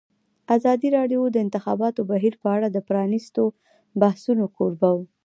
ازادي راډیو د د انتخاباتو بهیر په اړه د پرانیستو بحثونو کوربه وه.